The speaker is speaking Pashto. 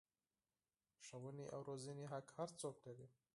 ښوونې او روزنې حق هر څوک لري.